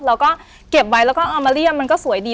เราก็เก็บไว้แล้วก็เอามาเลี่ยมมันก็สวยดี